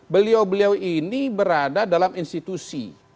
beliau beliau ini berada dalam institusi